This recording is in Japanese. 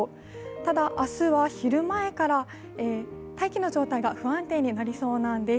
ただ明日は昼前から大気の状態が不安定になりそうなんです。